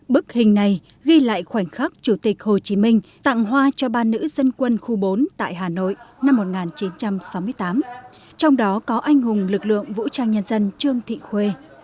bức hình này ghi lại khoảnh khắc chủ tịch hồ chí minh tặng hoa cho ba nữ dân quân khu bốn tại hà nội năm một nghìn chín trăm sáu mươi tám trong đó có anh hùng lực lượng vũ trang nhân dân trương thị khuê